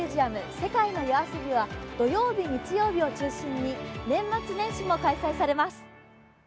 世界の夜あそびは土曜日、日曜日を中心に年末年始も開催されます。